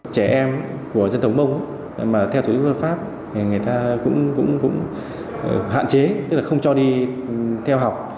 trẻ em của dân tổng mông mà theo chủ yếu luật pháp thì người ta cũng hạn chế tức là không cho đi theo học